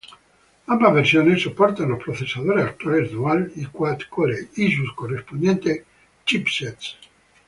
Ambas versiones soportan los procesadores actuales dual y quad core y sus correspondientes chipsets.